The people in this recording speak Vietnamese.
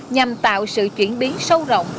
nhằm tạo sự chuyển biến sâu rộng